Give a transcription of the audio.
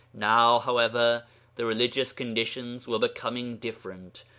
Now, however, the religious conditions were becoming different.